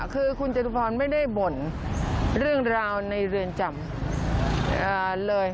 คือคุณจตุพรไม่ได้บ่นเรื่องราวในเรือนจำเลย